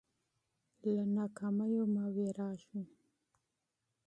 له ناکامیو مه وېرېږئ.